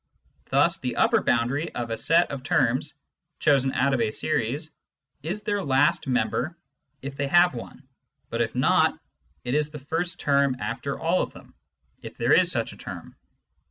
Thus the " upper boundary " of a set of terms chosen out of a series is their last member if they have one, but, if not, it is the first term after all of them, if there is such a term.